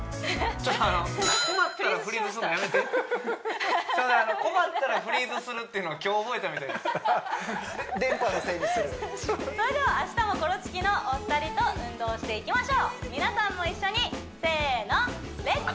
ちょっとあの困ったらフリーズするっていうの今日覚えたみたいです電波のせいにするそれでは明日もコロチキのお二人と運動していきましょう皆さんも一緒にせーの「レッツ！